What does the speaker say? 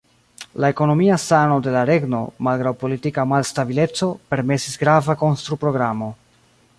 La ekonomia sano de la regno, malgraŭ politika malstabileco, permesis grava konstru-programo.